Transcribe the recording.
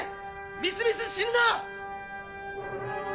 みすみす死ぬな！